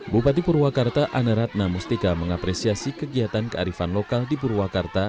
bupati purwakarta anerat namustika mengapresiasi kegiatan kearifan lokal di purwakarta